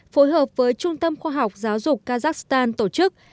phối hợp với trung tâm khoa học giáo dục kazakhstan tổ chức